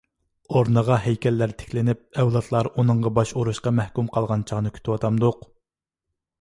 ئورنىغا ھەيكەللەر تىكلىنىپ ئەۋلاتلار ئۇنىڭغا باش ئۇرۇشقا مەھكۇم قالغان چاغنى كۈتىۋاتامدۇق؟!